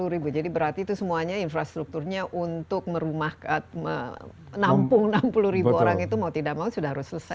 sepuluh ribu jadi berarti itu semuanya infrastrukturnya untuk merumahkan menampung enam puluh ribu orang itu mau tidak mau sudah harus selesai